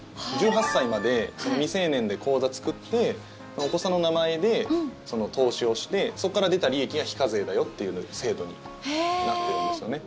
１８歳まで未成年で口座作ってお子さんの名前で投資をしてそこから出た利益が非課税だよという制度になってるんですよね。